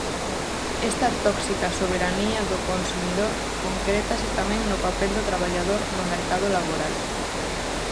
Esta tóxica soberanía do consumidor concrétase tamén no papel do traballador no mercado laboral.